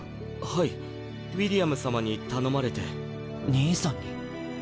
はいウィリアム様に頼まれて。兄さんに？